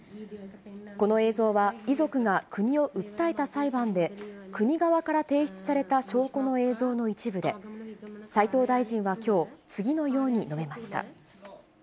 この映像は、遺族が国を訴えた裁判で、国側から提出された証拠の映像の一部で、斎藤大臣はきょう、次のように述べました。